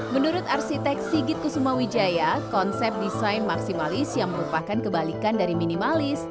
menurut arsitek sigit kusuma wijaya konsep desain maksimalis yang merupakan kebalikan dari minimalis